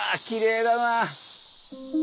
きれいだな。